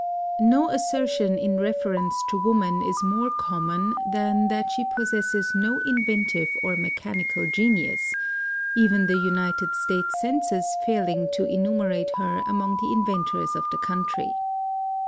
No assertion in reference to woman is more common than that she possesses no inventive or mechanical genius, even the United States census failing to enumerate her among the in ventors of the country.